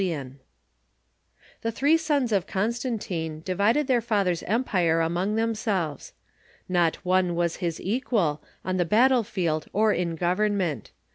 ] The three sons of Constantino divided their father's empire among themselves. Not one Avas his equal, on the battle field or in government.